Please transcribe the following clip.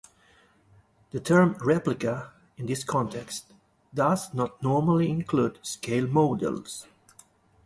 The term "replica" in this context does not normally include scale models.